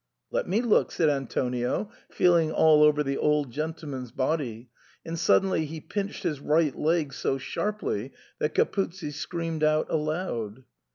"Let me look," said Antonio, feeling all over the old gentleman's body, and suddenly he pinched his right leg so sharply that Capuzzi screamed out aloud.